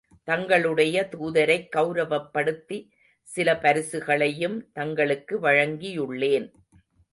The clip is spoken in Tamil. தங்களுடைய தூதரைக் கெளரவப்படுத்தி, சில பரிசுகளையும் தங்களுக்கு வழங்கியுள்ளேன்.